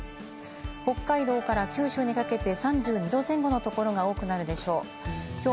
北海道から九州にかけて３２度前後のところが多くなるでしょう。